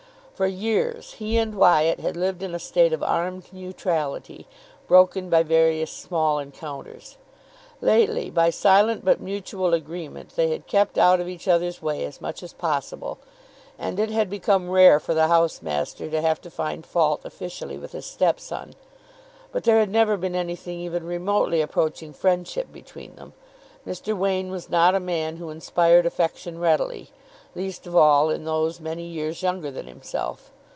For years he and Wyatt had lived in a state of armed neutrality, broken by various small encounters. Lately, by silent but mutual agreement, they had kept out of each other's way as much as possible, and it had become rare for the house master to have to find fault officially with his step son. But there had never been anything even remotely approaching friendship between them. Mr. Wain was not a man who inspired affection readily, least of all in those many years younger than himself.